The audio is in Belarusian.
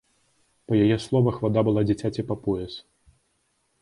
Па яе словах, вада была дзіцяці па пояс.